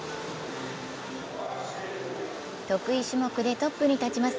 得意種目でトップに立ちます。